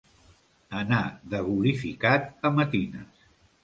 Anar de glorificat a matines.